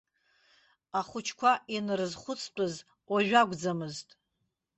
Ахәыҷқәа инарызхәыцтәыз уажә акәӡамызт.